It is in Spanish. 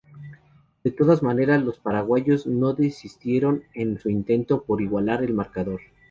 De todas maneras, los paraguayos no desistieron en su intento por igualar el marcador.